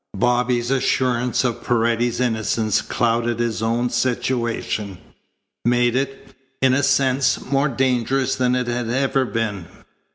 Bobby's assurance of Paredes's innocence clouded his own situation; made it, in a sense, more dangerous than it had ever been.